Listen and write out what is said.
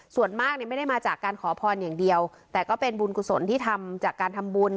ส่วนมากเนี่ยไม่ได้มาจากการขอพรอย่างเดียวแต่ก็เป็นบุญกุศลที่ทำจากการทำบุญ